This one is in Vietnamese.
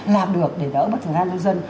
làm được để đỡ mất thời gian dân dân